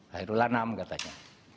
nah itu lah enam katanya